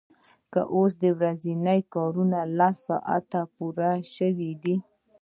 خو اوس ورځنی کار لسو ساعتونو ته پورته شوی دی